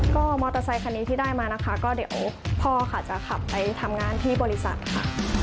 ก็มอเตอร์ไซคันนี้ที่ได้มานะคะก็เดี๋ยวพ่อค่ะจะขับไปทำงานที่บริษัทค่ะ